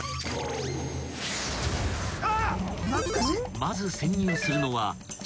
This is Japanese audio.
［まず潜入するのは］